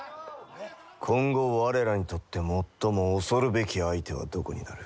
今後我らにとって最も恐るべき相手はどこになる？